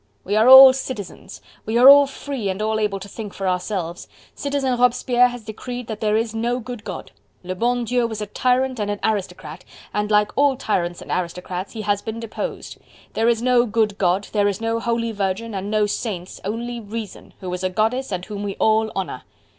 We are all citizens! We are all free and all able to think for ourselves. Citizen Robespierre has decreed that there is no good God. Le bon Dieu was a tyrant and an aristocrat, and, like all tyrants and aristocrats, He has been deposed. There is no good God, there is no Holy Virgin and no Saints, only Reason, who is a goddess and whom we all honour."